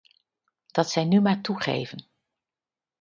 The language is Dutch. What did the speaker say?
Dat zij nu maar toegegeven.